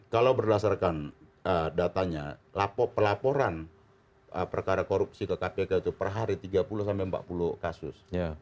kalau berdasarkan datanya pelaporan perkara korupsi ke kpk itu per hari tiga puluh sampai empat puluh kasus